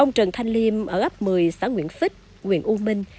ông trần thanh liêm ở ấp một mươi xã nguyễn phích nguyện u minh